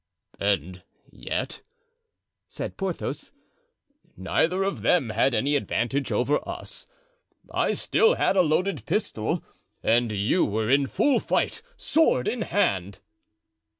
"And yet," said Porthos, "neither of them had any advantage over us. I still had a loaded pistol and you were in full fight, sword in hand."